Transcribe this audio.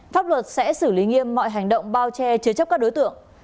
pháp luật sẽ xử lý nghiêm mọi hành động bao che chứa chấp các đối tượng